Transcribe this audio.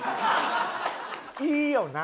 「いいよな」